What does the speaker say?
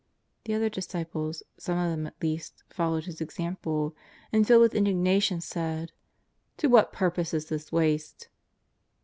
The other disciples, some of them at least, followed his example, and, filled with indignation, said: " To what purpose is this waste